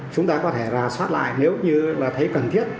chúng ta có thể soát lại nếu như thấy cần thiết